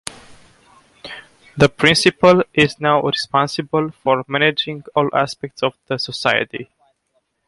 The Principal is now responsible for managing all aspects of the Society.